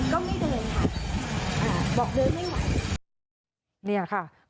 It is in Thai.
ก็ไม่เดินอาจว่าเดินไม่ไหว